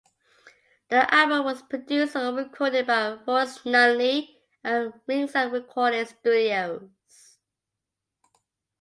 The album was produced and recorded by Royce Nunley at Ringside Recording Studios.